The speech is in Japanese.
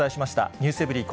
ｎｅｗｓｅｖｅｒｙ．